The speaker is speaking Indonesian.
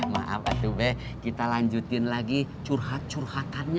maaf atuh be kita lanjutin lagi curhat curhatannya